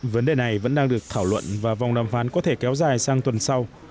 vấn đề này vẫn đang được thảo luận và vòng đàm phán có thể kéo dài sang tuần sau